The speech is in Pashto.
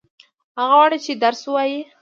هغه غواړي چې درس ووايي.